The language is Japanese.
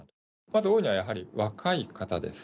まず多いのはやはり若い方です。